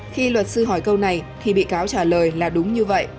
khi luật sư hỏi câu này thì bị cáo trả lời là đúng như vậy